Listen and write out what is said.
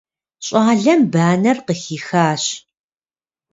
Щӏалэм банэр къыхихащ.